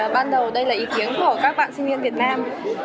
ban đầu đây là ý kiến của các bạn sinh viên việt nam